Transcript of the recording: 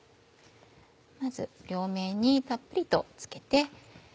まず両面にたっぷりとつけて。